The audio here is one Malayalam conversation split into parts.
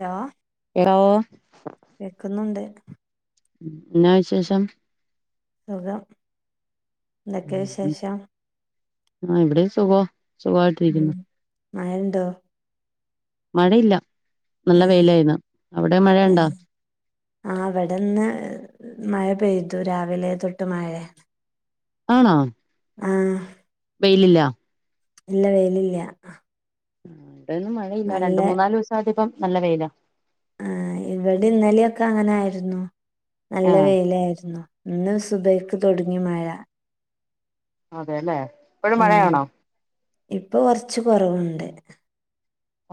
ഹലോ ഹെലോ കേക്കുന്നുണ്ട് എന്നാ വിശേഷം സുഖം എന്തൊക്കെ ഉം വിശേഷം ആഹ് ഇവിടേം സുഖം ഉം മഴണ്ടോ മഴയില്ല നല്ല എഹ് വെയിലാ ഇന്ന് അവിടെ മഴയുണ്ടോ എഹ് ആഹ് ഇവിടെന്ന് മഴ പെയ്തു രാവിലെ തൊട്ട് മഴയാ ആണോ ആഹ് വെയിലില്ല ഇല്ല വെയിലില്ല ഇവിടെന്നും മഴയില്ല നല്ല രണ്ട് മൂന്നാല് ദിവസം ആയിട്ട് ഇപ്പം നല്ല വെയില ആഹ് ഇവടിം ഇന്നലെയൊക്കെ അങ്ങനൊയിരുന്നു ആ നല്ല വെയിലായിരുന്നു ഇന്ന് സുബയ്ക്ക് തൊടങ്ങി മഴ അതേലെ ഇപ്പഴും ഉം മഴയാണോ ഇപ്പൊ കൊറച്ച് കൊറവുണ്ട്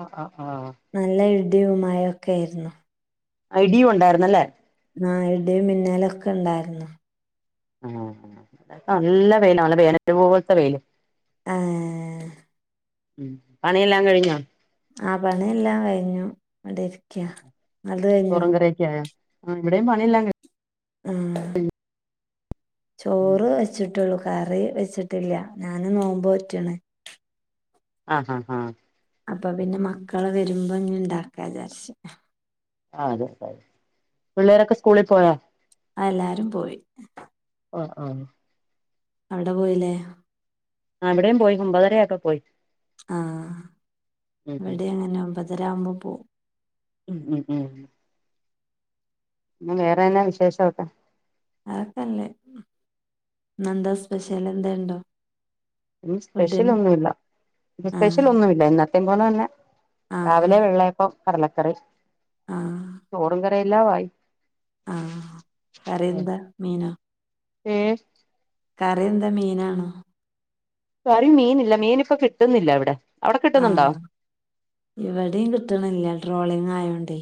അഹ് ആഹ് ആഹ് നല്ല ഇടിയും മയഒക്കെയായിരുന്നു ഇടിയും ഉണ്ടായിരുന്നല്ലേ ആഹ് ഇടിയും മിന്നാലൊക്കെണ്ടായിരുന്നു ആഹ് ആഹ് പ്പ നല്ല വെയില നല്ല വേനല് പോലൊത്തെ വെയില് ആഹ് ഏഹ് ഉം പണിയെല്ലാം കഴിഞ്ഞോ ആഹ് പണിയെല്ലാം കഴിഞ്ഞു ഇവിടെ ഇരിക്ക ഇങ്ങളത് കഴിഞ്ഞോ യാ യാ ആഹ് ഇവിടെയും പണിയെല്ലാം കഴി ആഹ് ചോറ് വെച്ചിട്ടൊള്ളൂ കറി വെച്ചിട്ടില്ല ഞാന് നോമ്പോറ്റ്ണ് ആഹ് ആഹ് ആഹ് അപ്പൊ പിന്നെ മക്കള് വരുമ്പോ ഇഞ് ഇണ്ടാക്കാ വിചാരിച്ച് ആഹ് അത്ട്ടാമതി പിള്ളേരൊക്കെ സ്കൂളിൽ പോയോ ആഹ് എല്ലാരും പോയി ഓഹ് ആഹ് അവടെ പോയില്ലേ ആഹ് ഇവിടേം പോയി ഒമ്പതര ആയപ്പോ പോയി ആഹ് ഉം ഇവിടെ അങ്ങനെ ഒമ്പതരാകുമ്പോ പോവും ഉം ഉം ഉം പിന്നെ വേറെന്നാ വിശേഷോക്കെ അതൊക്ക അല്ലെ ഇന്നന്താസ്പെഷ്യൽ എന്താലുണ്ടോ? ഇന്ന് സ്പെഷ്യൽ ഒന്നുലാ. ഇന്ന് സ്പെഷ്യൽ ആഹ് ഒന്നും ഇല്ല. എന്നത്തേ പോലെ തന്നെ. ആഹ് രാവിലെ വെള്ളയപ്പം കടലക്കറി. ആഹ് ചോറും കറി എല്ലാം ആയി. ആഹ്‌, കറിന്താ മീനോ? ഏഹ്‌ കറി എന്താ മീനാണോ? കറി മീനില്ല. മീനി ഇപ്പൊ കിട്ടുന്നില്ല ഇ വിടെ. ആഹ്‌, ഇവിടെയും കിട്ടണില്ല. ട്രോളിങ്ങ് ആയോണ്ട്.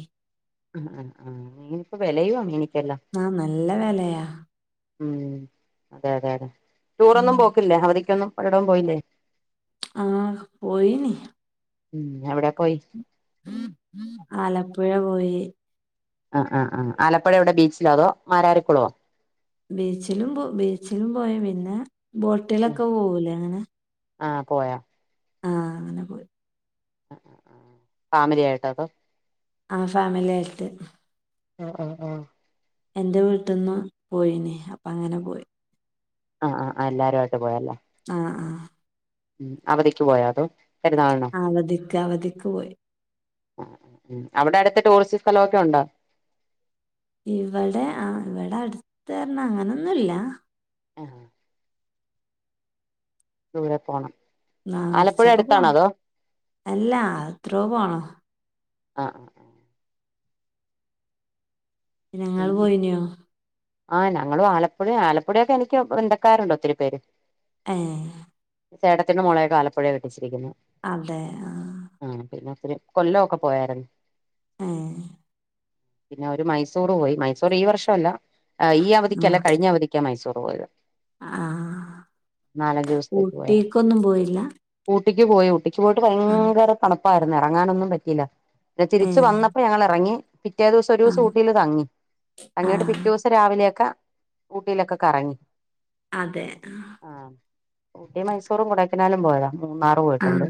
ആഹ്‌, ആഹ്‌, ആഹ്‌ മീനി ഇപ്പോ വിലയു വാ മീനിക്ക് എല്ലാം. ആഹ്‌, നല്ല വലയാ. ഉം, അതെ, അതെ, അതെ ഉം ടൂറൊന്നും പോക്കില്ലേ? അവധിക്കൊന്നും എവിടം പോയില്ലേ. ആഹ്‌ പോയിന. ഉം, എവിടെ പോയി. ആലപ്പുഴ പോയി. ആഹ്‌, ആഹ്‌. ആഹ്‌ ആലപ്പുഴ എവിടെ ബീച്ചിലോ? അതോ മാര രിക്കുളവോ? ബീച്ചിലും പോ ബീച്ചിലും പോയ. പിന്നെ ബോട്ടിലൊക്കെ പോവൂലേ അങ്ങനെ ആഹ്‌, പോയാ. ആഹ്‌, അങ്ങനെ പോയി. ആഹ്, ആഹ്, ആഹ് ഫാമിലി ആയിട്ടോ? അതോ. ആഹ്‌, ഫാമിലി ആയിട്ട്. ആഹ്‌, ആഹ്‌, ആഹ്‌ എന്റെ വീട്ടിൽന്ന് പോയിനേ. അപ്പ അങ്ങനെ പോയി. ആഹ്‌, ആഹ്‌, ആഹ്‌, എല്ലരു ആയിട്ട് പോയ ല്ലേ? ആഹ്‌, ആഹ്‌ ഉം, അവധിക്ക് പോയാതോ. അവധിക്ക്, അവധിക്ക് പോയി. ആഹ്‌, ആഹ് അവിടെ അടുത്ത ടൂറിസ്റ്റ് സ്ഥലമൊക്കെ ഉണ്ടോ? ഇവിടെ, ആഹ്‌, ഇവിടെ അടുത്ത് ന്ന അങ്ങനൊന്നും ല്ല. ആഹ്‌ ദൂരെ പോണം. എന്നാ ആലപ്പുഴ കുറച്ചൊക്കെ അടുത്താണോ പോണം അതോ അല്ല എത്രയ പോണോ. ആഹ്‌ ആഹ്‌, ആഹ് നിങ്ങള് പോയിനോ? ആഹ്‌, ഞങ്ങള് ആലപ്പുഴ ആലപ്പുഴയൊക്കെ എനിക്ക് ബന്ദക്കാരുണ്ട്ഒത്തിരി പേര്. ആഹ്‌ ചേട്ടത്തിന്റെ മോളെയൊക്കെ ആലപ്പുഴ കെട്ടിച്ചിരിക്കുന്ന. അതെ, ആഹ്‌ ആഹ്‌, പിന്നെ, ഒത്തിരി കൊല്ലം ഒക്കെ പോയാരുന്നു. ആഹ്‌ പിന്നെ, ഒരു മൈസൂർ പോയി. മൈസൂർ ഈ, വർഷമല്ല ഈ, ആ അവധിക്കല്ല കഴിഞ്ഞ അവധിക്ക്. ഒക്കെ മൈസൂർ പോയത് ആ നാലഞ്ച് ദിവസത്തേക്ക് പോയ. ഊട്ടിക്കൊന്നും പോയില്ല ഊട്ടിക്ക് പോയി. ഊട്ടിക്ക് പോയിട്ട് ആ ഭയങ്കര തണുപ്പായിരുന്നു. ഇറങ്ങാനൊന്നും പറ്റില്ല. പിന്നെ, ഏ തിരിച്ചു വന്നപ്പോ ഞങ്ങൾ ഇറങ്ങി. പിറ്റേ ദിവസം ഒരു, ആ ദിവസം ഊട്ടിൽ തങ്ങി. തങ്ങിയിട്ട് ആ പിറ്റേ, ദിവസം രാവിലെയൊക്ക ഊട്ടിയിലൊക്കെ കറങ്ങി. അതെ, ആഹ് ആഹ് ഊട്ടി മൈസൂറും കൊഡൈക്കനാലും പോയോ മൂന്നാറ് പോയിട്ടുണ്ട് ആഹ്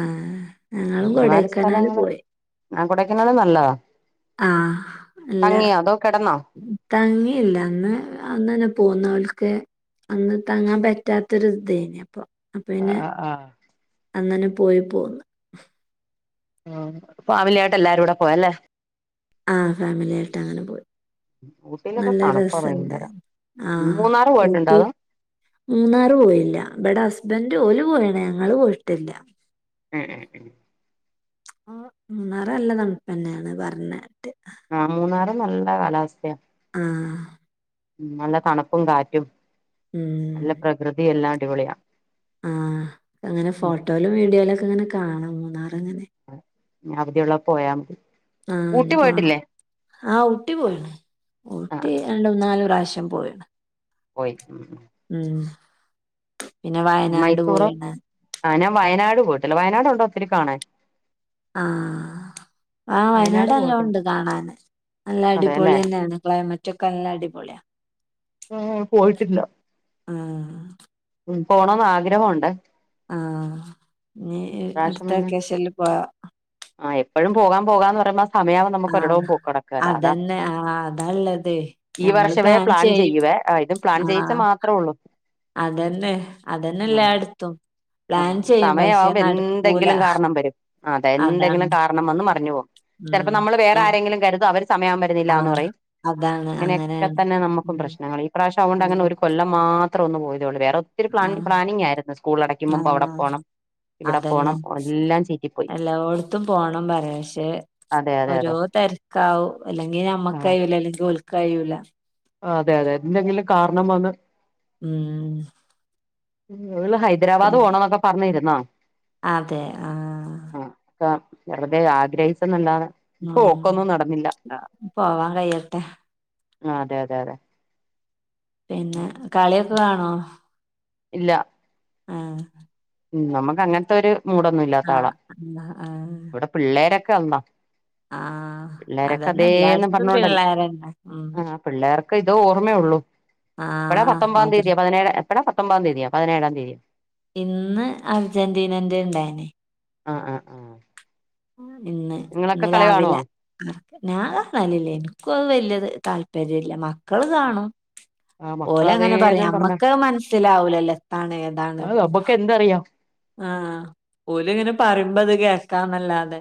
ആഹ് ഞങ്ങളും ഒരുമാതിരി കൊടൈക്കനാല് സ്ഥലങ്ങള് പോയി ആഹ് കൊടൈക്കന്നാലും നല്ലതാ ആഹ് നല്ല തങ്ങിയോ അതോ കിടന്നോ തങ്ങിയില്ല അന്ന് അന്നന്നെ പോന്നാൾക്ക് അന്ന് തങ്ങാൻ പറ്റാത്തൊരു ഇതേനപ്പൊ അപ്പ പിന്നെ ആഹ് ആഹ് അന്നന്നെ പോയി പോന്നു ആഹ് ഫാമിലി ആയിട്ട് എല്ലാരും കൂടെ പോയല്ലേ ആ ഫാമിലി ആയിട്ട് അങ്ങനെ പോയി ഊട്ടിയിലൊക്കെ നല്ല തണുപ്പാ ഭയങ്കര രസുണ്ടാര്ന്ന് ആഹ് മൂന്നാറ് പോയിട്ടുണ്ടോ ഊട്ടി അതോ മൂന്നാറ് പോയില്ല ഇവിടെ ഹസ്ബൻറ് ഓലി പോയാണ് ഞങ്ങള് പോയിട്ടില്ല. ഏഹ് ആ മൂന്നാറ നല്ല തണുപ്പന്നെയാണ് പറഞ്ഞട്ട് ആഹ് മൂന്നാറ് നല്ല കാലാവസ്ഥയ ആഹ് ഉം നല്ല തണുപ്പും കാറ്റും ഉം നല്ല പ്രകൃതി എല്ലാം അടിപൊളിയാ ആഹ് അങ്ങനെ ഉം ഫോട്ടോയിലും, വീഡിയോയിലും ഒക്കെ അങ്ങനെ കാണാം, മൂന്നാർ അങ്ങനെ അവധിയുള്ള പോയാൽ മതി. ആഹ് ഊട്ടി ഇഞ്ഞി പോണം. പോയിട്ടില്ലേ ആഹ് ഊട്ടി പോയിണ്, ഊട്ടി ആഹ് രണ്ട് മൂനാല് പ്രാവശ്യം പോയണ്. പോയ്ക്ക് ഉം ഉം പിന്നെ വയനാട് മൈസൂർ, പോയിണ് ആ ഞാൻ വയനാട് പോയിട്ടില്ല. വയനാട് ഉണ്ടോ ഒത്തിരി കാണൻ? ആഹ് ആഹ് വയനാട് എല്ലാം പോയിട്ടുണ്ട് ഉണ്ട് കാണാന് നല്ല അതെല്ലേ അടിപൊളി തന്നെയാണ്, ക്ലൈമ റ്റ് ക്ക് നല്ലടിപോളിയാ ഏ പോയിട്ടില്ല. ആഹ് ഉം പോണന്ന്, ആഗ്രഹം ഉണ്ടെ ആഹ് ഇനീ അടുത്ത വെക്കേഷനില് പോകാ ആഹ് എപ്പോഴും പോകാം പോകാന്ന് പറയുമ്പോ ആ സമയം നമുക്ക് ഒരിടവും ആഹ് പൊക്ക് നടക്കില്ല അതാ അതന്നെ ആഹ് അതാള്ളതേ ഈ ഞമ്മള് വർഷമേ പ്ലാൻ ചെയ്യും ചെയ്യുവേ ആ ഇതും പ്ലാൻ ചെയ്യിച്ചൽ ആഹ് മാത്രമേ ഉള്ളൂ. അതന്നെ അതന്നെ എല്ലാടുത്തും. ആഹ് സമയാവുമ്പോ എന്തെങ്കിലും കാരണം വരും. അതെ അതാണ്. എന്തെങ്കിലും കാരണം ഉം വന്ന് മറിഞ്ഞു പോകും, ചിലപ്പോ ഉം. നമ്മള് ഞ വേറെ ആരെങ്കിലും കരുതും അവര് സമയം ആവുമ്പം വരുന്നില്ല എന്ന് ആഹ് പറയും, അതാണ് ഇങ്ങനെയൊക്കെ അങ്ങനെയാണ്. തന്നെ നമുക്കും ഉം പ്രശ്നങ്ങൾ, ഈ പ്രാവശ്യം അതൊണ്ട് അങ്ങനെ അതെ ഒരു കൊല്ലം മാത്രം ഒന്ന് പോയതുള്ളു വേറെ ഒത്തിരി ആഹ് പ്ലാനിംഗ് ആയിരുന്നു. സ്കൂൾ അടക്ക് ആഹ് അതന്നെ എല്ലാം ചീറ്റിപ്പോയി എല്ലായിടത്തും പോണം പറയാ പക്ഷെ അതെ അതെ ഓരോ അതെ തിരക്കാവും. അല്ലെങ്കി നമ്മക്ക് ആഹ് കഴൂല, അല്ലെങ്കിൽ ഓൾക്ക് കഴൂല. അതെ, അതെ എന്തെങ്കിലും കാരണം വന്ന് ഉം ഓള് ഹൈദരാബാദ് പിന്നെ പോണന്നൊക്കെ പറഞ്ഞിരുന്നതാ അതെ ആ ഹ് ആഹ് ഒക്ക വെറുതെ ആഗ്രഹിച്ചെന്നല്ലാതെ പോക്കൊന്നും നടന്നില്ല ഉം പോവാൻ കഴിയട്ടെ ആഹ് അതെ അതെ അതെ പിന്നെ കളിയൊക്കെ കാണോ ഇല്ല ആഹ് ഉം നമക്ക് അങ്ങനത്തെ ഒരു മൂടൊന്നുല്ല ആഹ് അഹ് ആഹ് പിള്ളേരൊക്കെ വന്നൊ ആഹ് അതന്നെ അതേന്ന് എല്ലായിടത്തും പറഞ്ഞോണ്ടല്ലേ പിള്ളേരന്നെ ഉം ആഹ് പിള്ളേർക്ക് ഇത് ഓർമ്മയൊള്ളു എപ്പഴാ ആഹ് പത്തൊമ്പാം മദ്ര തീയതിയോ പതിനേഴ് എപ്പൊഴാ പത്തൊമ്പതാ തീയതിയോ പതിനേഴാം തീയതിയോ?. ഇന്ന് അർജന്റീനന്റെ ഇണ്ടായിനി ആഹ് ആഹ് ആഹ് ഇന്ന് നിങ്ങളൊക്കെ ഇന്ന് കളി കാണുവോ രാവിലെ ഞാൻ കാണലില്ല ഇനിക്ക് വലിയ താല്പര്യം ഇല്ല. മക്കള് കാണും. ആഹ് ഓലെ മക്കള് അങ്ങനെ പറയും അതേന്നും പറഞ്ഞ നമ്മക്ക് മനസ്സിലാവൂലല്ലോ എത്താണ് ഏതാണ് അഹ് നമുക്ക് എന്തറിയാം?. ആഹ് ഓല് ഇങ്ങനെ പറയുമ്പോ അത് കേൾക്കാന്നല്ലാതെ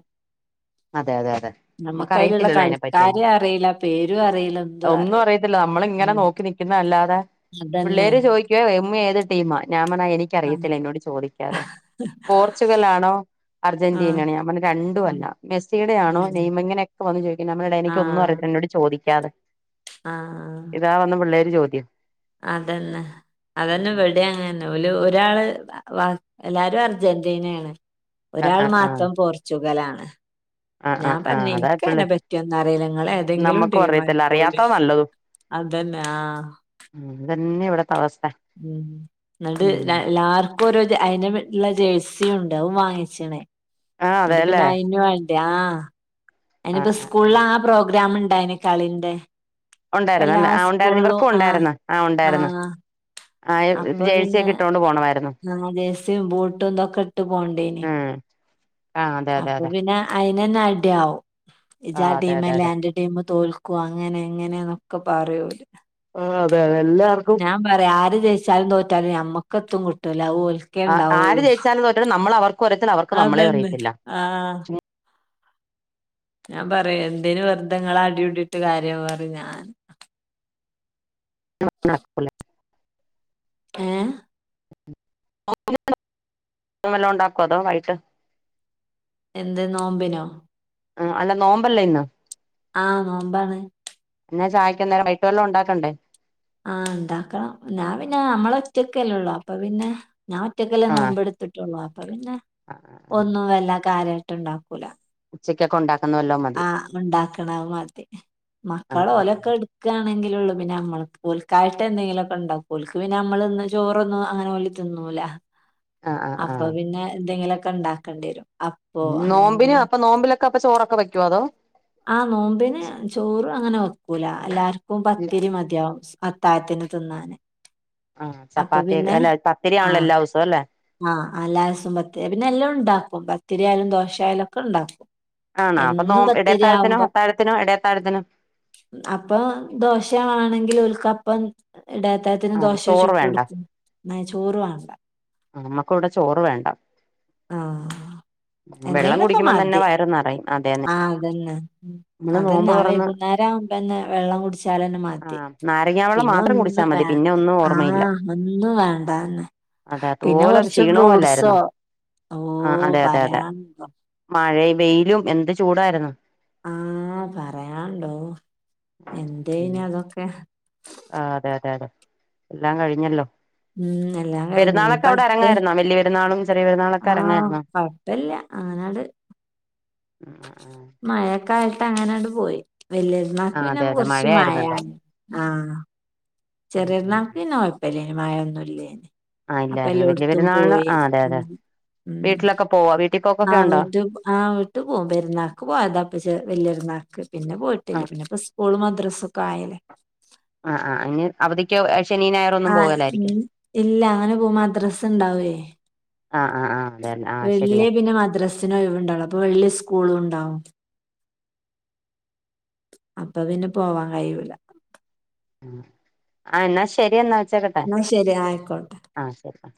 അതെ അതെ അതെ നമ്മക്ക് അയിലുള്ള നമുക്കറിയത്തില്ലല്ലോ കളിക്കാരെ അയിനെപറ്റിയൊന്നും അറിയില്ല പേരും അറിയില്ല എന്തും അറിയില്ല ഒന്നുഅറിയത്തില്ല നമ്മളിങ്ങനെ ഉം നോക്കി നി പിന്നല്ലാതെ അതന്നെ പിള്ളേര് ചോയിക്കുവാ ഉമ്മി ഏത് ടീമാ ഞാപറഞ്ഞു അയിന് ആഹ് ഇക്കറിയത്തില്ല ഇന്നോട് ചോദിക്കാതെ പോർച്ചുഗല്ലാണോ അർജന്റീനേണോ ആഹ് ഞാപറഞ്ഞു രണ്ടുവല്ല മെസ്സിയുടെയാണോ ഉം നെയ്മ് ഇങ്ങനെയൊക്കെ വന്ന് ചോയിക്കും ഞാപറയും ആഹ് എനിക്കൊന്നുറിയത്തില്ല ഇന്നോട് ചോദിക്കാതെ ആഹ് ഇതാവന്ന് പിള്ളേര് ചോദ്യം അതന്നെ ഉം അതന്നെ ഇവ ഉം ടെ ഉം അങ്ങനന്നെ ഓല് ഒരാള് എല്ലാരും അർജന്റീനേണ് ആഹ് ഒരാൾ ആഹ് ആഹ് മാത്രം പോർച്ചുഗല്ലാണ് ആഹ് ഞാൻ ആഹ് പറഞ്ഞു ആഹ് അതാ പിള്ളേ ഇനിക്കയിനെ പറ്റിയൊന്നും അറില്ല ങ്ങളേതെങ്കിലും നമ്മക്കും അറിയത്തില്ല ടീമായിക്കോണ്ടിം അറിയാത്തതാ നല്ലതും അതന്നെ ആഹ് ഉം ഇതന്നെ ഇവടത്തവസ്ഥ ഉം ന്നട്ട് എല്ലാർക്കും ഇപ്പൊരു അയിനുള്ളൊരു ജേഴ്സിണ്ട് അത് വാങ്ങിച്ച്ണെ ആഹ് ഇങ്‌ട്ട് പിന്നെ അതെല്ലേ അയിന് ആഹ് അയിനിപ്പൊ ആഹ് ആഹ് ആഹ് സ്കൂളിലാ പ്രോഗ്രാമിണ്ടായിന്ന് കളിന്റെ ഇപ്പല്ലാ ഉണ്ടായിരുന്നല്ലേ ആഹ് ഉണ്ടായിരുന്നു സ്കൂളിലും ഇവർക്കും ആഹ് ഉണ്ടായിരുന്നു ഉണ്ടായിരുന്നു ആഹ് ആഹ് അപ്പൊ പിന്നെ ജേഴ്സിയൊക്കെ ഇട്ടോണ്ട് പോണമായിരുന്നു ആഹ് ജെഴ്സിയും ബൂട്ടും ഇതൊക്കെ ഇട്ട് പോണ്ടിനി ഉം ആഹ് അതെ അതെ അപ്പൊ അതെ പിന്നെ അയിനന്നെ അടിയാവും ഇജ്ജ് ആ ആഹ് അതെ അതെ ടീമല്ലേ അതെ അന്റെ ടീമ് തോൽക്കും അങ്ങനെ ഇങ്ങനെന്നൊക്കെ പറയും ഓല് ആഹ് അതെയതെ എല്ലാർക്കും പറയും ആര് ജയിച്ചാലും തോറ്റാലും ഞമ്മക്ക് എത്തും കിട്ടൂല അത് ഓല് ആഹ് ആര് ജയിച്ചാലും തോറ്റാലും നമ്മൾ അവർ അതന്നെ ആഹ് ഞാൻ പറയും എന്തിന് വെറുതങ്ങള് അടികുടീട്ട് കാര്യം പറിം ഞാൻ [inaudible] ഏഹ് [inaudible] വല്ലോണ്ടാക്കോ അതൊ വൈട്ട് എന്ത് നോമ്പിനോ ആഹ് അല്ല നോമ്പല്ലേന്ന് ആഹ് നോമ്പാണ് ന്നാ ചായ്ക്കന്നേരം വൈകിട്ട് വല്ലോം ഉണ്ടാക്കണ്ടേ ആഹ് ഇണ്ടാക്കണം ഞാൻ പിന്നെ ഞമ്മളൊറ്റക്കല്ലൊള്ളു അപ്പൊ പിന്നെ ഞാനൊറ്റക്കല്ലേ ആഹ് നോമ്പെടുത്തിട്ടൊള്ളൂ അപ്പൊ പിന്നെ ഒന്നും വല്ലാ കാര്യായിട്ട്ണ്ടാക്കൂല ഉച്ചക്കൊക്കെ ഉണ്ടാക്കുന്ന വല്ലോം മതി ആഹ് ഉണ്ടാക്കണമതി ആഹ് മക്കളോലൊക്കെ എടു ക്കാണെങ്കിലൊള്ളു പിന്നെ നമ്മൾക്ക് ഓൽക്കായിട്ട് എന്തേലൊക്കെ ഉണ്ടാക്കും ഓൽക്ക്‌ പിന്നെ നമ്മളെ ചോറൊന്നും അങ്ങനെ ഓൽ തിന്നൂല ആഹ് ആഹ് അപ്പൊ ആഹ് പിന്നെ എന്തെങ്കിലൊക്കെണ്ടാക്കണ്ടേരും അപ് ഉം നോമ്പിനപ്പൊ നോമ്പിലൊക്കപ്പൊ ചോറൊക്കെ വെക്കോ അതോ ആഹ് നോമ്പിന് ചോറങ്ങനെ വെക്കൂല എല്ലാർക്കും ഇല്ല പത്തിരി മതിയാവും അത്തായതിനു തിന്നാന് ആഹ് അപ്പൊ ചപ്പാത്തി പിന്നെ അല്ല പത്തിരിയാണല്ലോ ആഹ് എല്ലാവുസം അല്ലേ ആഹ് എല്ലാസവും പത്തിരി പിന്നെ എല്ലൂണ്ടാക്കും പത്തിരിയായാലും ദോശായാലും ഒക്കെ ഉണ്ടാക്കും ആഹ് ന്നപ്പൊ നോ എന്നും പത്തിരി ഇടയത്താഴത്തിനും ആവുമ്പോ അത്താഴത്തിനും ഇടയത്താഴത്തിനും അപ്പൊ ദോശവാണെങ്കിലോൽകപ്പം ഇടയത്താ ത്തിന് ആഹ് ദോശ ചോറ് വേണ്ട ചുട്ടൊടുക്കും ന്നചോറ് വാണ്ട ആമ്മക്കിവടെ ചോറ് വേണ്ട ആഹ് വെള്ളം എന്തേലൊക്കെ കുടിക്കുമ്പം തന്നെ മതി വയറ് നിറയും അതേന്നെ ആഹ് അതന്നെ നമ്മള് അതന്നെ നോമ്പ് ആ തുറന്ന് വൈകുന്നേരാവുമ്പന്നെ വെള്ളം കുടിച്ചാലന്നെ മതി ആഹ് നാരങ്ങാവെള്ളം പിന്നൊ മാത്രം കുടിച്ചാൽ ന്നും വേ മതി പിന്നെ ഒന്നും ഓർമ്മയില്ല ആഹ് ഒന്നും വേണ്ടന്നെ അതെ പിന്നെ അതുപോലെ കൊർച്ച് ക്ഷീണവും ഫ്രൂഡ്സോ അല്ലായിരുന്നോ ഓഹ് പറയാൻണ്ടോ മയെ വെയിലും എന്ത് ചൂടാര്ന്നു ആഹ് പറയാണ്ടോ ഉം എന്തേന് അതൊക്കെ. ആഹ് അതെ അതെ അതെ എല്ലാം കഴിഞ്ഞല്ലോ. ഉം എല്ലാം കഴിഞ്ഞ് പെരുന്നാളൊക്കെ ഇനിപ്പ അവടെ അടുത്ത് അരങ്ങായ്ര്ന്നോ വല്യ പെരുന്നാളും ചെറിയ പെരുന്നാളൊക് ആഹ് കൊഴപ്പെല്ല അങ്ങനട് ഉം ആഹ് ആഹ് മഴക്കായിട്ട് അങ്ങനെണ്ട് പോയി വെല്ല്യര്ന്നാക്ക് ആഹ് പിന്നെ അതെ അതെ കൊർച്ച് മഴയായിരുന്നല്ലോ മയർന്നു ആഹ് ഉം ഉം ചെറിയെര്ന്നാക്ക് പിന്നെ കൊഴപ്പല്ലെയ്നു മഴൊന്നുല്ലേയ്ന്. ആഹ് അപ്പ ഇല്ലായിരുന്നു വലിയ എല്ലോട്ത്തും പെരുന്നാളിന് പോയി ആഹ് അതെ ഉം അതെ ഉം വീട്ടിലൊക്കെ പോവോ വീട്ടിൽ പോക്കൊക്കെ ഉണ്ടോ ന്നാവുറ്റും ആഹ് ഉ ട്ട് പോഉം പെരുന്നാക്ക് പോയത പ ചെ വെല്ല്യര്ന്നാക്ക് പിന്നെ പോയിട്ടില്ല ആഹ് പിന്നെപൊ ഉസ്കൂള് മദ്രസൊക്കായെലെ. ആഹ് ആഹ് അയിന് അവധിക്ക് ശേനിം ഞായറോന്നും ആഹ് പോവലായിരിക്കും. ഉം ഇല്ല അങ്ങനെ പോകും മദ്രസ ഇണ്ടാവേ ആഹ് ആഹ് ആഹ് വെള്ളി പിന്നെ മദ്രാസിനോഴിവ്ണ്ടാവൊള്ളൂ അപ്പൊ വെള്ളി ഉസ്കൂളുംണ്ടാവും. അപ്പൊ പിന്നെ പോവാൻ കഴിയുല ആഹ് എന്നാ ശെരി എന്നാ വെച്ചേര് ഇന്നാ ശെരി ആഹ് അയ്ക്കോട്ടെ ആഹ് ശെരി ആഹ്